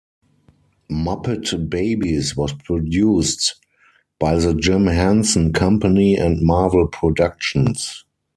"Muppet Babies" was produced by The Jim Henson Company and Marvel Productions.